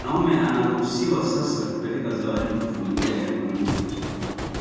Mwanaume anaruhusiwa sasa kupeleka zawadi kwa familia ya mwanamke